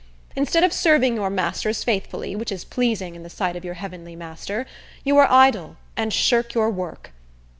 Instead of serving your masters faithfully, which is pleasing in the sight of your heavenly Master, you are idle, and shirk your work.